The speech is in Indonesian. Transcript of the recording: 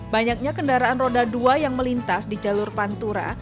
banyaknya kendaraan roda dua yang melintas di jalur pantura